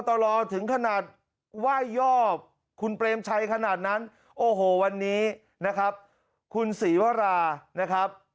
ตลอดถึงขนาดไหว้ยอบคุณเปรมชัยขนาดนั้นโอ้โหวันนี้นะครับคุณศรีวรานะครับ